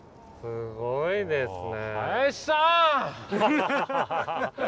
すごいですね。